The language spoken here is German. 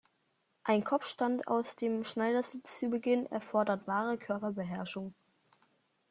Einen Kopfstand aus dem Schneidersitz zu beginnen, erfordert wahre Körperbeherrschung.